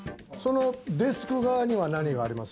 デスク側には何があります？